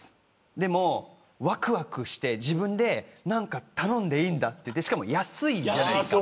でも、わくわくして自分で何か頼んでいいんだってしかも安いじゃないですか。